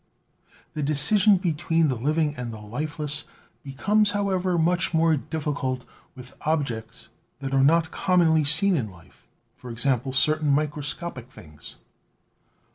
The decision between the living and the lifeless becomes, however, much more difficult with objects that are not commonly seen in daily life — e.g., certain microscopic things.